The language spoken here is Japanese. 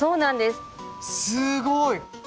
すごい。